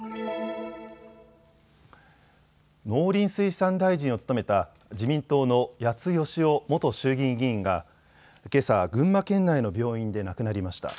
農林水産大臣を務めた自民党の谷津義男元衆議院議員がけさ、群馬県内の病院で亡くなりました。